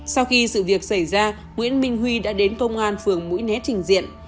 sau khi sự việc xảy ra nguyễn minh huy đã đến công an phường mũi né trình diện